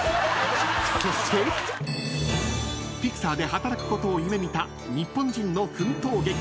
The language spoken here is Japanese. そして、ピクサーで働くことを夢見た日本人の奮闘劇。